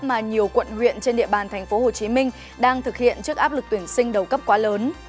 mà nhiều quận huyện trên địa bàn tp hcm đang thực hiện trước áp lực tuyển sinh đầu cấp quá lớn